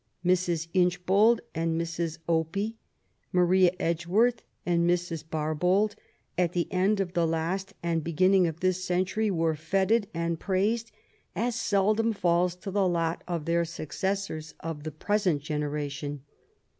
Mrs. Inchbald and Mrs. Opie, Maria Edge worth and Mrs. Sarbanld, at the end of the last and beginning of this century, were fSted and praised as seldom falls to the lot of their successors of the pre LITEEAEY LIFE. 67 > sent generation.